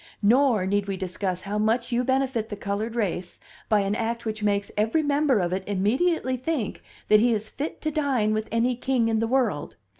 Nor need we discuss how much you benefit the colored race by an act which makes every member of it immediately think that he is fit to dine with any king in the world.